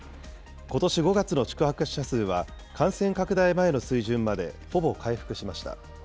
ことし５月の宿泊者数は、感染拡大前の水準までほぼ回復しました。